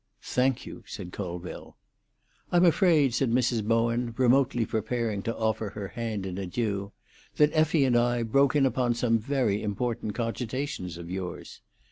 "Thank you," said Colville. "I'm afraid," said Mrs. Bowen, remotely preparing to offer her hand in adieu, "that Effie and I broke in upon some very important cogitations of yours."